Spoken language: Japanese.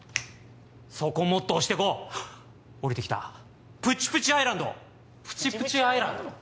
そこもっと推してこうおりてきた「プチプチアイランド」「プチプチアイランド」？